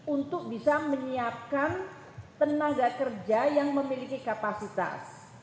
untuk bisa menyiapkan tenaga kerja yang memiliki kapasitas